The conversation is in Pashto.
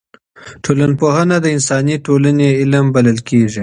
ټولنپوهنه د انساني ټولني علم بلل کیږي.